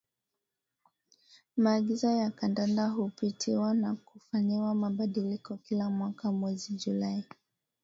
Maagizo ya Kandanda hupitiwa na kufanyiwa mabadiliko kila mwaka Mwezi Julai